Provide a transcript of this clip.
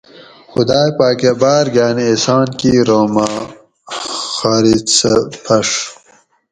خُداۤئ پاۤکۤہ باۤر گھاۤن اِحسان کِیر اُوں مۤہ خاۤرِت سۤہ پھۤڛ